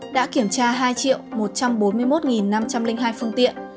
đã kiểm tra hai một trăm bốn mươi một năm trăm linh hai phương tiện